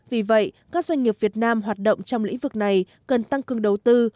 vì vậy các doanh nghiệp việt nam hoạt động trong lĩnh vực này cần tăng cường đầu tư